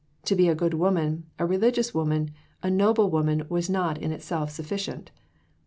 To be a good woman, a religious woman, a noble woman was not in itself sufficient.